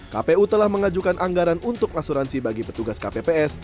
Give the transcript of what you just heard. kpu telah mengajukan anggaran untuk asuransi bagi petugas kpps